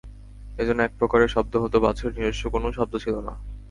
এজন্য এক প্রকারের শব্দ হত, বাছুরের নিজস্ব কোন শব্দ ছিল না।